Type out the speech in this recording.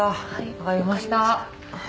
わかりました。